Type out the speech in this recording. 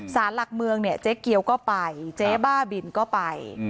สารหลักเมืองเนี่ยเจ๊เกียวก็ไปเจ๊บ้าบินก็ไป